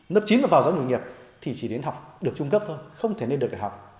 lớp chín và vào giáo dục nghiệp thì chỉ đến học được trung cấp thôi không thể lên được để học